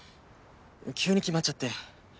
急に決まっちゃって。